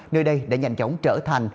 nơi đây đã nhanh chóng trở thành